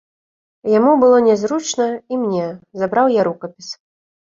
Яму было нязручна і мне, забраў я рукапіс.